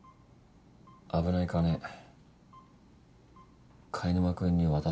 危ない金貝沼君に渡させた。